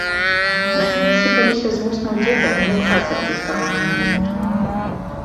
Навіны сыпаліся з вуснаў дзеда, як пацеркі з парванай ніткі.